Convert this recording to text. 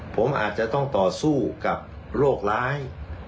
ผมอาจจะต้องต่อสู้กับโรคร้าย